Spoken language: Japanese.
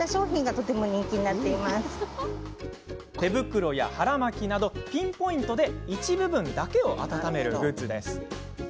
手袋や腹巻きなどピンポイントで一部分だけを温めるグッズです。